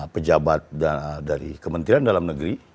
pejabat dari kementerian dalam negeri